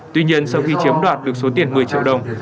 tuy nhiên sau khi chiếm đoạt được số tiền một mươi triệu đồng